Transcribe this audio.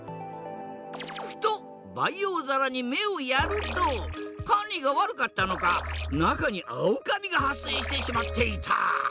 ふと培養皿に目をやると管理が悪かったのか中にアオカビが発生してしまっていた。